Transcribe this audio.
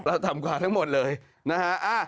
เราทำความทั้งหมดเลยนะฮะ